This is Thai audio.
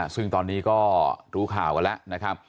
ซึ่งตอนนี้ก็รู้ข่าวกันแล้วนะครับ